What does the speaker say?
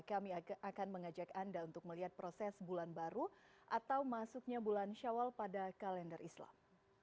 kami akan mengajak anda untuk melihat proses bulan baru atau masuknya bulan syawal pada kalender islam